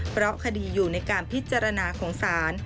เพราะคดีอยู่ในการพิจารณาของศาล